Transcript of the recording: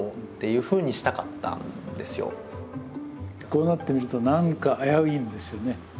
こうなってみると何か危ういんですよね。